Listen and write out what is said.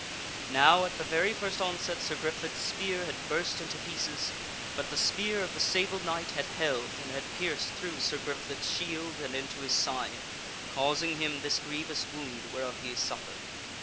Now at the very first onset Sir Griflet's spear had burst into pieces, but the spear of the Sable Knight had held and had pierced through Sir Griflet's shield and into his side, causing him this grievous wound whereof he suffered.